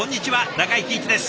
中井貴一です。